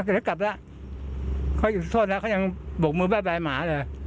ก็กลับแล้วเขายังโทษแล้วเขายังบกมือแบบลายหมาเลย